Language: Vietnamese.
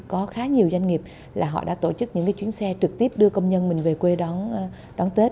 có khá nhiều doanh nghiệp là họ đã tổ chức những chuyến xe trực tiếp đưa công nhân mình về quê đón tết